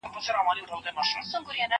علم ډېوه ساتي.